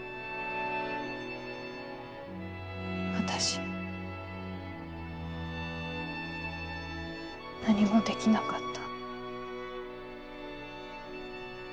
私何もできなかった。